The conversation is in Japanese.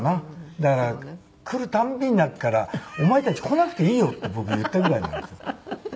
だから来る度に泣くから「お前たち来なくていいよ」って僕言ったぐらいなんですよ。